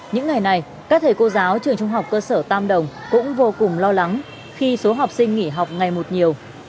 những ngày này các thầy cô giáo trường trung học cơ sở tam đồng cũng vô cùng lo lắng khi số học sinh nghỉ học ngày một nhiều